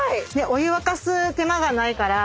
お湯沸かす手間がないから。